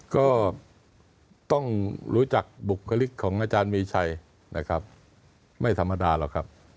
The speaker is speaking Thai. ก็ต้องรู้จักบุคลิกของอาจารย์มีชัยนะครับไม่ธรรมดาหรอกครับ